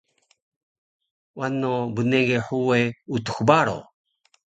Wano bnege huwe Utux Baro